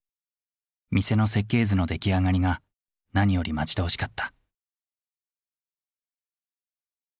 店の設計図の出来上がりが何より待ち遠しかった。